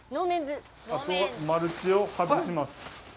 あとはマルチを外します。